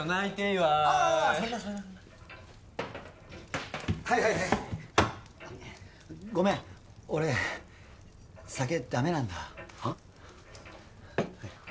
・はいはいはいごめん俺酒ダメなんだはッ？